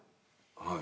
はい。